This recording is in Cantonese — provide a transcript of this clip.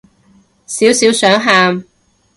少少想喊